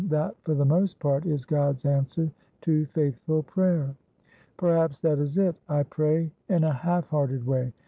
That for the most part is God's answer to faithful prayer.' ' Perhaps that is it. I pray in a half hearted way.